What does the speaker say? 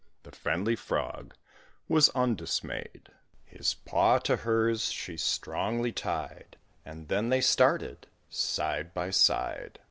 The friendly Frog was undismayed; His paw to hers she strongly tied, And then they started side by side.